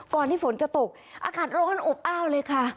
ที่ฝนจะตกอากาศร้อนอบอ้าวเลยค่ะ